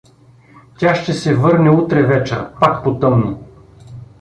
— Тя ще се върне утре вечер, пак по тъмно.